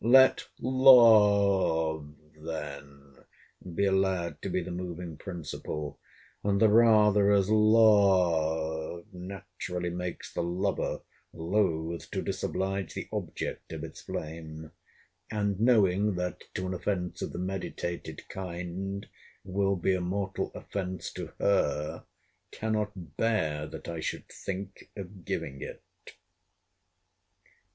Let LOVE then be allowed to be the moving principle; and the rather, as LOVE naturally makes the lover loth to disoblige the object of its flame; and knowing, that to an offence of the meditated kind will be a mortal offence to her, cannot bear that I should think of giving it.